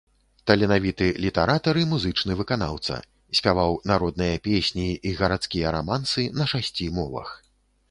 Таленавіты літаратар і музычны выканаўца, спяваў народныя песні і гарадскія рамансы на шасці мовах.